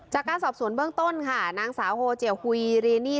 จากการสอบสวนเบื้องต้นค่ะนางสาวโฮเจียวฮุยเรนี่